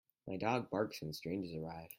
My dog barks when strangers arrive.